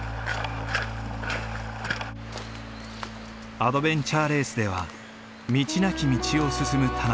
アドベンチャーレースでは道なき道を進む田中。